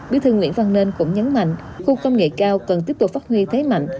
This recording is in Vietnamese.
bí thư nguyễn văn nên cũng nhấn mạnh khu công nghệ cao cần tiếp tục phát huy thế mạnh